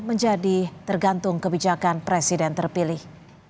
menjadi tergantung kebijakan presiden terpilih